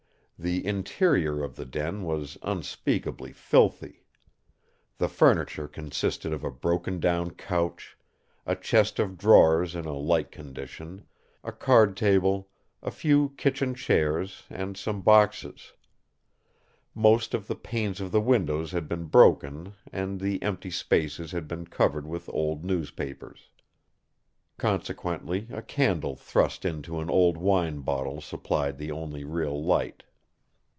The interior of the den was unspeakably filthy. The furniture consisted of a broken down couch, a chest of drawers in a like condition, a card table, a few kitchen chairs, and some boxes. Most of the panes in the windows had been broken and the empty spaces had been covered with old newspapers. Consequently, a candle thrust into an old wine bottle supplied the only real light.